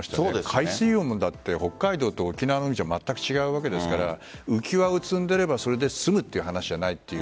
海水温だって北海道と沖縄の海じゃまったく違うわけですから浮き輪を積んでいればそれで済むという話ではない。